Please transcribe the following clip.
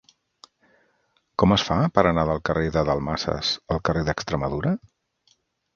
Com es fa per anar del carrer de Dalmases al carrer d'Extremadura?